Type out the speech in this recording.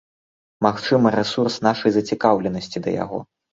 Магчыма, рэсурс нашай зацікаўленасці да яго.